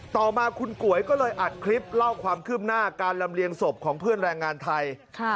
ต่อมาคุณก๋วยก็เลยอัดคลิปเล่าความคืบหน้าการลำเลียงศพของเพื่อนแรงงานไทย